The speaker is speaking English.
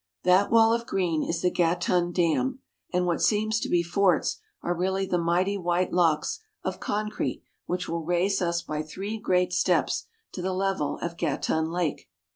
That wall of green is the Gatun Dam, and what seem to be forts are really the mighty white locks of con Crete which will raise us by three great steps to the level of Gatun Lake.